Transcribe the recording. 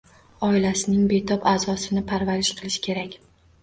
Oilasining betob aʼzosini parvarish qilish kerak